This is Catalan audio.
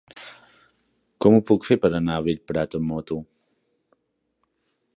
Com ho puc fer per anar a Bellprat amb moto?